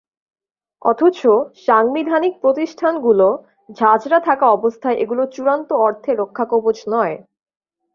অথচ সাংবিধানিক প্রতিষ্ঠানগুলো ঝাঁঝরা থাকা অবস্থায় এগুলো চূড়ান্ত অর্থে রক্ষাকবচ নয়।